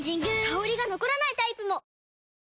香りが残らないタイプも！